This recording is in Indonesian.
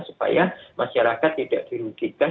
supaya masyarakat tidak dirugikan